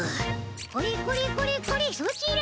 これこれこれこれソチら！